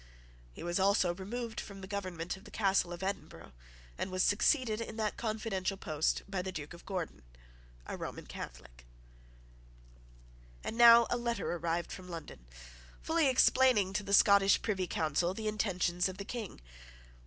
He was also removed from the government of the castle of Edinburgh, and was succeeded in that confidential post by the Duke of Gordon, a Roman Catholic. And now a letter arrived from London, fully explaining to the Scottish Privy Council the intentions of the King.